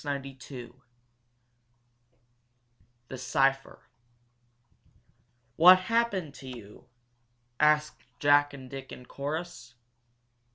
CHAPTER XVI THE CIPHER "What happened to you?" asked Jack and Dick in chorus.